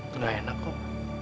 tuh gak enak kok